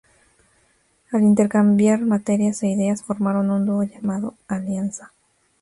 Al intercambiar material e ideas formaron un dúo llamado Alianza.